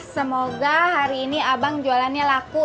semoga hari ini abang jualannya laku